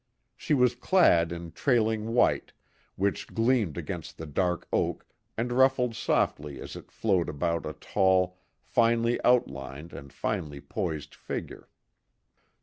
She was clad in trailing white, which gleamed against the dark oak and rustled softly as it flowed about a tall, finely outlined and finely poised figure.